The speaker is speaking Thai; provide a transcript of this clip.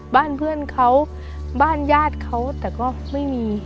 บ้านเพื่อนเขาบ้านญาติเขาแต่ก็ไม่มี